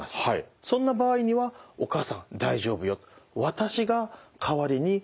そんな場合には「お母さん大丈夫よ」。